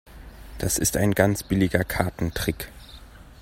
Das ist ein ganz billiger Kartentrick.